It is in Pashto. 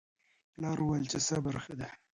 پلار وویل چې صبر ښه دی.